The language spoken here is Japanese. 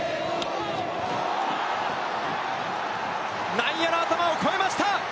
内野の頭を越えました！